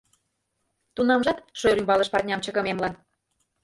Тунамжат шӧр ӱмбалыш парням чыкымемлан.